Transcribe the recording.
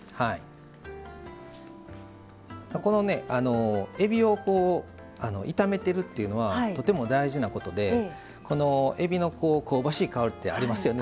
このえびを炒めてるというのはとても大事なことでえびの香ばしい香りってありますよね。